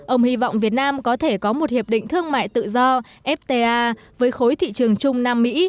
ông hy vọng việt nam có thể có một hiệp định thương mại tự do fta với khối thị trường chung nam mỹ